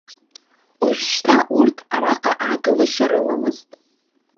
Ожәшьҭа урҭ араҟа аагылашьа рымамызт.